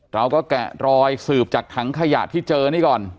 แกะรอยสืบจากถังขยะที่เจอนี่ก่อน